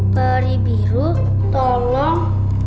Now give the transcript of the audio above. peri biru tolong